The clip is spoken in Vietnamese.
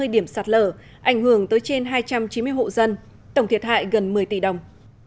ba mươi điểm sạt lở ảnh hưởng tới trên hai trăm chín mươi hộ dân tổng thiệt hại gần một mươi tỷ đồng